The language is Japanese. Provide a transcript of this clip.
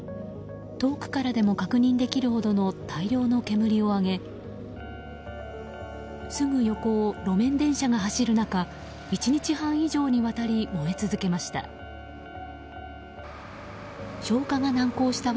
遠くからでも確認できるほどの大量の煙を上げすぐ横を路面電車が走る中１日半以上にわたり燃え続けました。